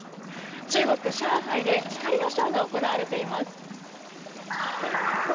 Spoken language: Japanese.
中国・上海で光のショーが行われています。